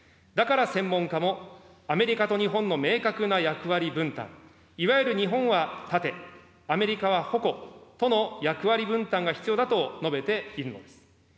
だから専門家も、アメリカと日本の明確な役割分担、いわゆる日本は盾、アメリカは矛との役割分担が必要だと述べているのです。